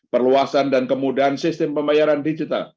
perluasan dan kemudahan sistem pembayaran digital